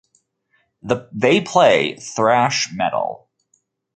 They play thrash metal.